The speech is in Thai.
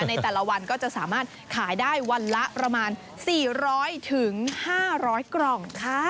ในแต่ละวันก็จะสามารถขายได้วันละประมาณ๔๐๐๕๐๐กล่องค่ะ